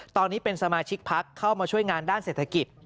ตอนนี้เป็นสมาชิกพักเข้ามาช่วยงานด้านเศรษฐกิจ